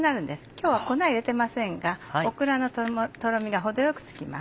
今日は粉入れてませんがオクラのとろみが程よくつきます。